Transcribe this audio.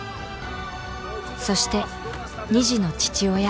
そして２児の父親